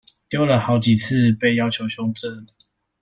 丟了好幾次被要求修正